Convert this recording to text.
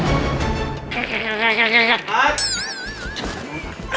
ฟัส